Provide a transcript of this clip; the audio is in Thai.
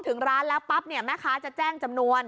ถึงร้านแล้วปั๊บเนี่ยแม่ค้าจะแจ้งจำนวน